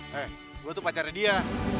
hei gue tuh pacarnya dia